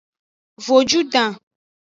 Vojudan.